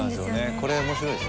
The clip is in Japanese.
これ面白いですね